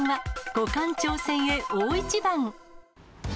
五冠挑戦へ大一番。